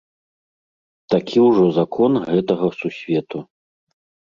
Такі ўжо закон гэтага сусвету.